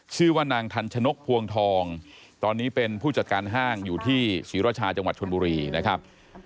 ชื่อว่านางทันชนกพวงทองตอนนี้เป็นผู้จัดการห้างอยู่ที่ศรีราชาจังหวัดชนบุรีนะครับ